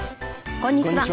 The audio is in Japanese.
こんにちは。